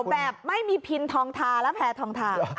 แบบไม่มีพินทองทาและแพทองทา